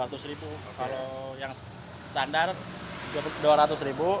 kalau yang standar rp dua ratus ribu